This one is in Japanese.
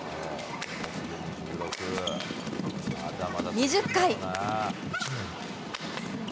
２０回。